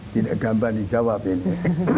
tidak gampang dijawab ini